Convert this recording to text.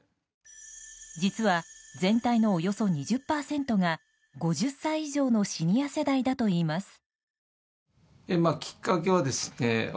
実は全体のおよそ２０％が５０歳以上のシニア世代だといいます。